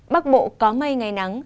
bắc bộ có mây ngày nắng